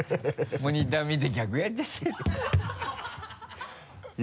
モニター見て逆やっちゃって